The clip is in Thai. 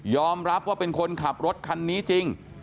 รับว่าเป็นคนขับรถคันนี้จริง